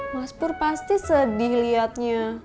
mas pur pasti sedih lihatnya